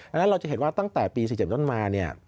อันนั้นเราจะเห็นว่าตั้งแต่ปี๒๐๑๗มา